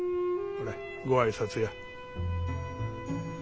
これご挨拶や。